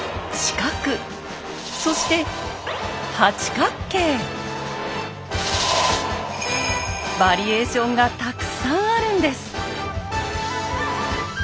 特にバリエーションがたくさんあるんです。